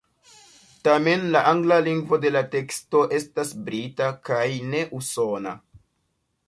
Tamen la angla lingvo de la teksto estas brita kaj ne usona.